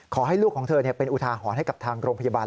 ขอให้ลูกของเธอเป็นอุทาหรณ์ให้กับทางโรงพยาบาล